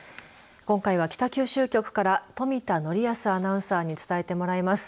今回は北九州局から富田典保アナウンサーに伝えてもらいます。